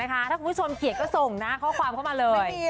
ถ้าผู้ชมเคียงส่งข้อความเข้ามาเลย